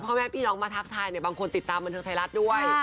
พ่อแม่พี่น้องมาทักทายเนี่ยบางคนติดตามบันเทิงไทยรัฐด้วย